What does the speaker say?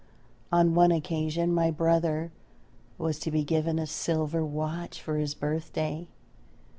On one occasion my brother was to be given a silver watch for his birthday.